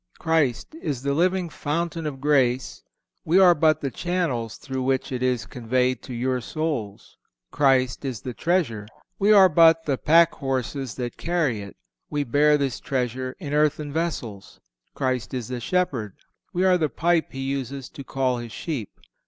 Christ is the living Fountain of grace: we are but the channels through which it is conveyed to your souls. Christ is the treasure; we are but the pack horses that carry it. "We bear this treasure in earthen vessels." Christ is the shepherd; we are the pipe He uses to call His sheep.